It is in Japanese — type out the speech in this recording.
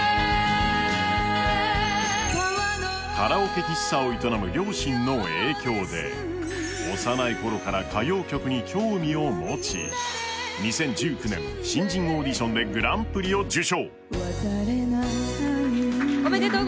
カラオケ喫茶を営む両親の影響で幼い頃から歌謡曲に興味を持ち、２０１９年、新人オーディションでグランプリを受賞。